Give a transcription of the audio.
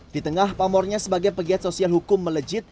di tengah pamornya sebagai pegiat sosial hukum melejit